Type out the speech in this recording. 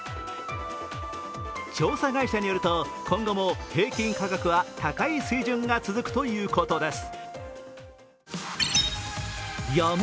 調査会社によると今後も平均価格は高い水準が続くということです。